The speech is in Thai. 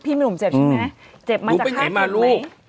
ที่มันหนุ่มเจ็บใช่ไหมเจ็บมาจากฮาตรุมไหม